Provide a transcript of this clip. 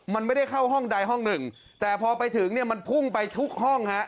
มันไม่ได้เข้าห้องใดห้องหนึ่งแต่พอไปถึงเนี่ยมันพุ่งไปทุกห้องฮะ